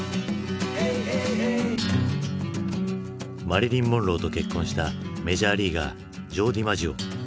マリリン・モンローと結婚したメジャーリーガージョー・ディマジオ。